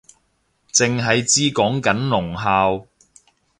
剩係知講緊聾校